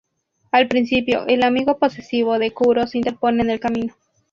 Al principio el amigo posesivo de Kuro se interpone en el camino.